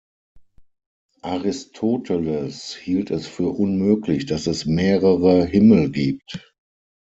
Aristoteles hielt es für unmöglich, dass es „mehrere Himmel“ gibt.